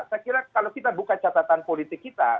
saya kira kalau kita buka catatan politik kita